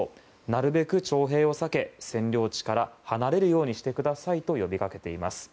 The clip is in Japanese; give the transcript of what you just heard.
なるべく徴兵を避けて占領地から離れるようにしてくださいと呼びかけています。